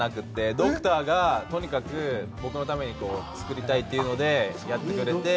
ドクターがとにかく僕のために作りたいというのでやってくれて。